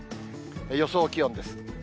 予想気温です。